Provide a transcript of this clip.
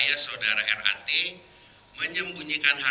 yang ketiga dengan keinginan bukta dan pengusaha